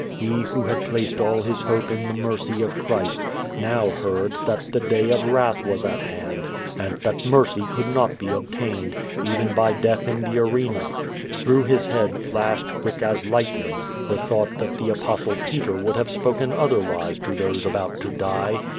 He, who had placed all liis hope in the mercy of Christ, now heard, that the day of wrath was at hand, and that mercy could not be obtained, even by death in the arena. Through his head flashed, quick as lightning, the thought that the Apostle Peter would have spoken otherwise to those about to die.